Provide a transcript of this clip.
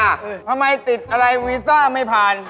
ทำไมติดอะไรวีซ่าไม่ผ่าน